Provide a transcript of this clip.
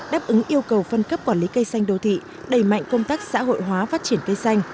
đáp ứng yêu cầu phân cấp quản lý cây xanh đô thị đẩy mạnh công tác xã hội hóa phát triển cây xanh